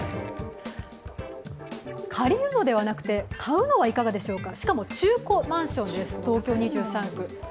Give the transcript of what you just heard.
借りるのではなくて、買うのはいかがでしょうか。